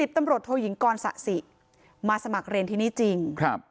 ตำรวจโทยิงกรสะสิมาสมัครเรียนที่นี่จริง